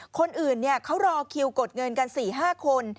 คนอื่นเขารอคิวกดเงินกัน๔๕คน